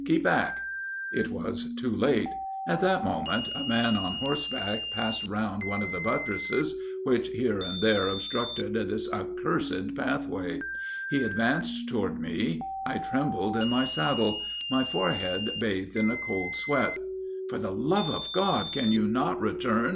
Keep back,'" "It was too late. At that moment, a man on horseback passed round one of the buttresses which here and there obstructed this accursed pathway He advanced toward me. I trembled in my saddle; my forehead bathed in a cold sweat." "'For the love of God! can you not return?'